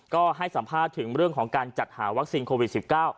ก็ให้สัมภาษณ์ถึงเรื่องของการจัดหาวัคซีนโควิด๑๙